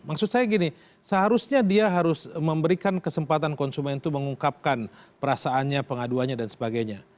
maksud saya gini seharusnya dia harus memberikan kesempatan konsumen itu mengungkapkan perasaannya pengaduannya dan sebagainya